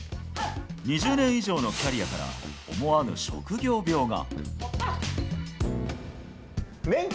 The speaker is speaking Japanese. ２０年以上のキャリアから思わぬ職業病が。